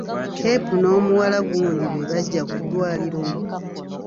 Cape n'omuwala gundi beebajja ku ddwaliro.